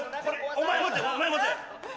お前持てお前持て！